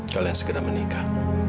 kalian segera menikah